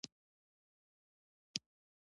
_ملک لالا، موږ بدي دار يو؟